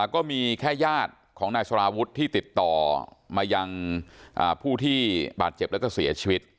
ก็มีแค่ญาติของนายสารวุฒิที่ติดต่อมายังผู้ที่บาดเจ็บแล้วก็เสียชีวิต